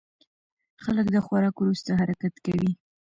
خلک د خوراک وروسته حرکت کوي.